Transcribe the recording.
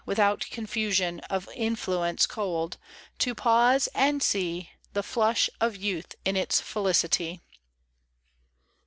Without confusion Of influence cold, To pause and see The flush of youth in its felicity.